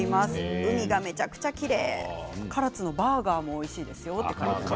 海がめちゃめちゃきれいで唐津のバーガーもおいしいですよ。